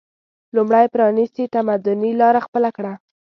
لومړی پرانیستي تمدني لاره خپله کړه